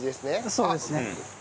そうですね。